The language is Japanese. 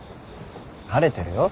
晴れてるよ。